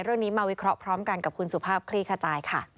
เรื่องนี้มาวิเคราะห์พร้อมกันกับคุณสุภาพคลี่ขจายค่ะ